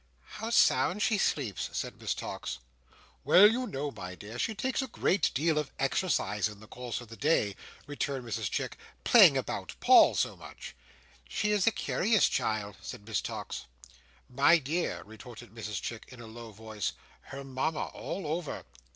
"How sound she sleeps!" said Miss Tox. "Why, you know, my dear, she takes a great deal of exercise in the course of the day," returned Mrs Chick, "playing about little Paul so much." "She is a curious child," said Miss Tox. "My dear," retorted Mrs Chick, in a low voice: "Her Mama, all over!"